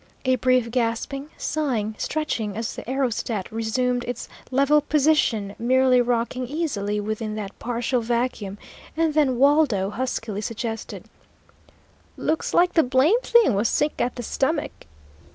A brief gasping, sighing, stretching as the aerostat resumed its level position, merely rocking easily within that partial vacuum, and then Waldo huskily suggested: "Looks like the blame thing was sick at the stomach!"